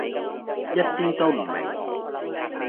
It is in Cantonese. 一啲都唔明